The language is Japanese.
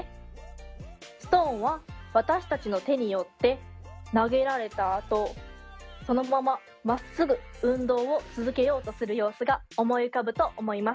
ストーンは私たちの手によって投げられたあとそのまままっすぐ運動を続けようとする様子が思い浮かぶと思います。